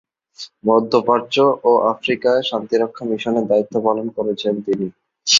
মধ্যপ্রাচ্য ও আফ্রিকায় শান্তিরক্ষা মিশনে দায়িত্ব পালন করেছেন তিনি।